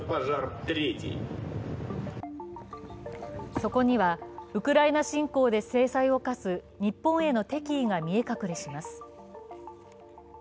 そこにはウクライナ侵攻で制裁を科す日本への敵意が見てとれいます。